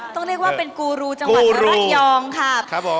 ต้องเรียกว่าเป็นกูรูจังหวัดระยองค่ะครับผม